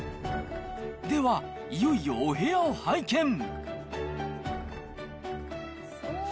では、いよいよお部屋を拝見。